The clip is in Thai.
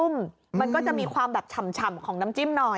มันก็จะมีความแบบฉ่ำของน้ำจิ้มหน่อย